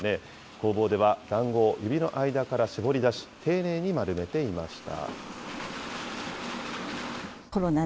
工房では、だんごを指の間から絞り出し、丁寧に丸めていました。